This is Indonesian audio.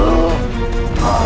aku sudah menang